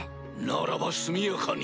ならば速やかに。